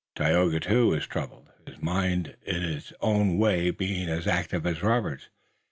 Tayoga too was troubled, his mind in its own way being as active as Robert's.